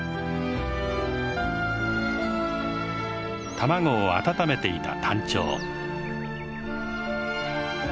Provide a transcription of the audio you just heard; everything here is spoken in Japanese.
卵を温めていたタンチョウ。